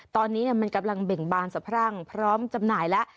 ตอนนี้มันกำลังเบ่งบานสะพรั่งพร้อมจำหน่ายแล้ว